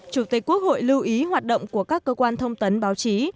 chủ tịch quốc hội lưu ý hoạt động của các cơ quan thông tấn báo chí